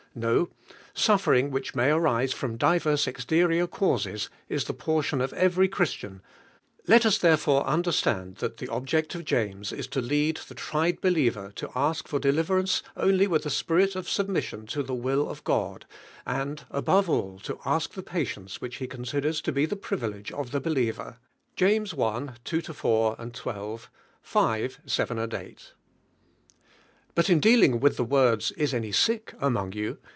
No; suffering which may arise from divers exterior causes is the portion of every Christian. Let us therefore understand thai Ihe ab ject of James is to lead the tried believer l<i ash fur deliverance only with a spirit of submission In Ihe will of Hod, and, above all, to ask the patience which he considers to be the privilege nf the be liever (.lames i. 12 4, 12; v. T, 8). But in dealing with (lie words, "Is any sick among you?